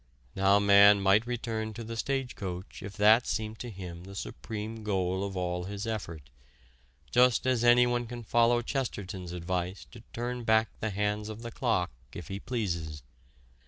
Now man might return to the stage coach if that seemed to him the supreme goal of all his effort, just as anyone can follow Chesterton's advice to turn back the hands of the clock if he pleases.